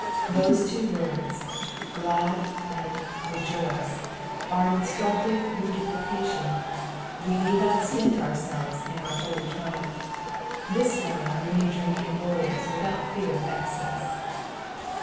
Those two words, glad and rejoiet, are SD inatmctive reduplication, we need not stint ourselves in our holy triumph ; this wine we may drink in bowls without fear of excess.